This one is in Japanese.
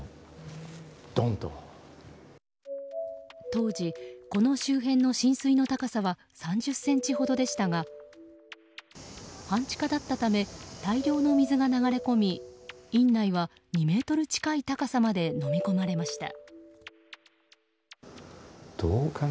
当時、この周辺の浸水の高さは３０ｃｍほどでしたが半地下だったため大量の水が流れ込み院内は２ｍ近い高さまでのみ込まれました。